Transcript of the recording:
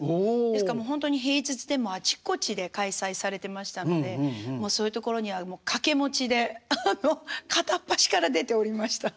ですからほんとに平日でもあちこちで開催されてましたのでそういうところには掛け持ちで片っ端から出ておりました。